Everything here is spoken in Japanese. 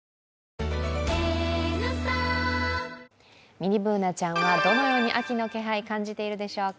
ミニＢｏｏｎａちゃんはどのように秋の気配感じているでしょうか。